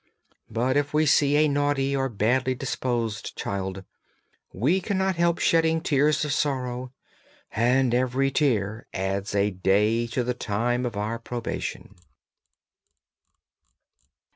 But if we see a naughty or badly disposed child, we cannot help shedding tears of sorrow, and every tear adds a day to the time of our probation.'